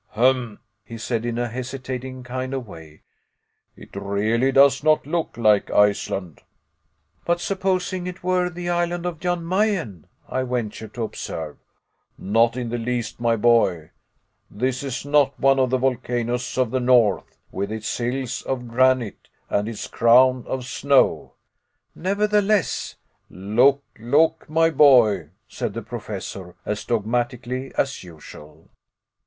"Hem!" he said, in a hesitating kind of way, "it really does not look like Iceland." "But supposing it were the island of Jan Mayen?" I ventured to observe. "Not in the least, my boy. This is not one of the volcanoes of the north, with its hills of granite and its crown of snow." "Nevertheless " "Look, look, my boy," said the Professor, as dogmatically as usual.